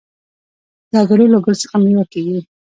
زردالو له ګل څخه مېوه کېږي.